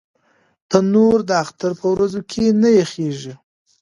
تنور د اختر پر ورځو کې نه یخېږي